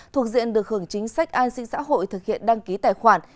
thuộc diện được hưởng chính sách an sinh xã hội thực hiện đăng ký tài khoản